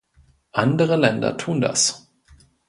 Andere Länder tun das.